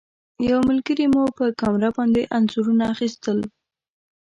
یو ملګري مو په کامره باندې انځورونه اخیستل.